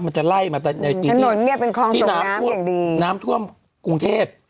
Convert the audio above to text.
มันจะไล่มาตั้งแต่ในปีที่ที่น้ำท่วมกรุงเทพฯ